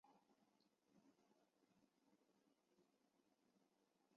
弘治十三年卒于任。